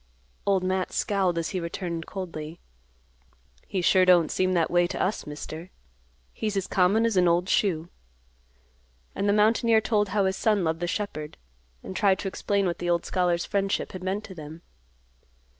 Old Matt scowled as he returned coldly, "He sure don't seem that way to us, Mister. He's as common as an old shoe." And then the mountaineer told how his son loved the shepherd, and tried to explain what the old scholar's friendship had meant to them.